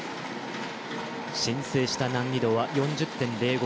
申請した難易度は４０．０５。